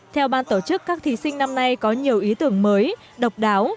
theo ban tổ chức các thí sinh năm nay có nhiều ý tưởng mới độc đáo